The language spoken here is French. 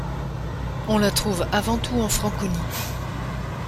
On la trouve avant tout en Franconie.